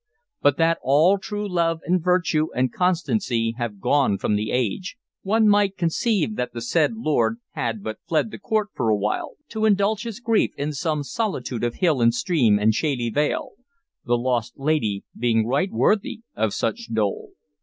But that all true love and virtue and constancy have gone from the age, one might conceive that the said lord had but fled the court for a while, to indulge his grief in some solitude of hill and stream and shady vale, the lost lady being right worthy of such dole."